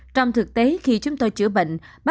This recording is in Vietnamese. trong thực tế khi chúng tôi chữa bệnh